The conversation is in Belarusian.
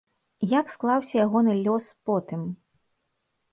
Як склаўся ягоны лёс потым?